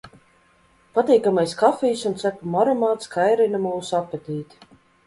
Patīkamais kafijas un cepumu aromāts kairina mūsu apetīti.